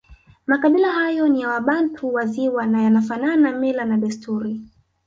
Makabila hayo ni ya Wabantu wa Ziwa na yanafanana mila na desturi